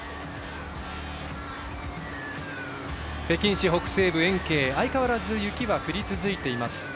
北京市北西部延慶相変わらず雪は降り続いています。